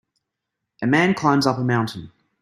A man climbs up a mountain.